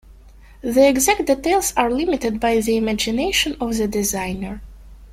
The exact details are limited by the imagination of the designer.